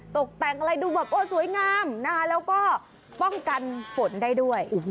ตกแต่งอะไรดูแบบโอ้สวยงามนะคะแล้วก็ป้องกันฝนได้ด้วย